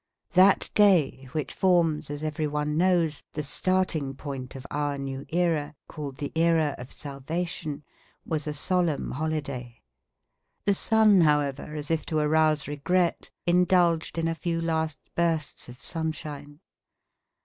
That day which forms, as everyone knows, the starting point of our new era, called the era of salvation, was a solemn holiday. The sun, however, as if to arouse regret, indulged in a few last bursts of sunshine.